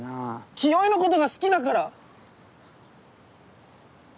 清居のことが好きだから！